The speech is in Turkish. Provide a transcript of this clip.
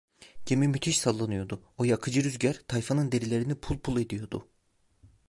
Gemi müthiş sallanıyordu; o yakıcı rüzgar tayfanın derilerini pul pul ediyordu.